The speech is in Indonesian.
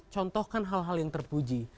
contohkan hal hal yang terpuji